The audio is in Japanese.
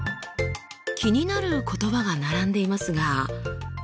気になる言葉が並んでいますが。